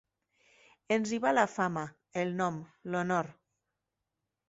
Ens hi va la fama, el nom, l'honor.